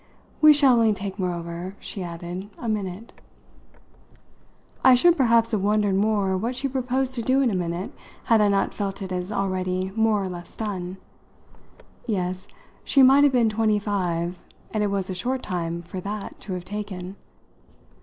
"We shall only take moreover," she added, "a minute." I should perhaps have wondered more what she proposed to do in a minute had I not felt it as already more or less done. Yes, she might have been twenty five, and it was a short time for that to have taken.